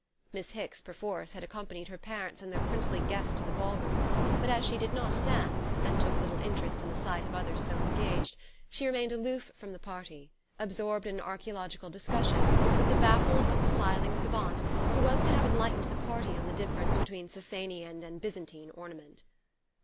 Miss Hicks, perforce, had accompanied her parents and their princely guests to the ballroom; but as she did not dance, and took little interest in the sight of others so engaged, she remained aloof from the party, absorbed in an archaeological discussion with the baffled but smiling savant who was to have enlightened the party on the difference between Sassanian and Byzantine ornament.